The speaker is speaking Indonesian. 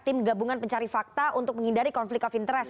tim gabungan pencari fakta untuk menghindari konflik of interest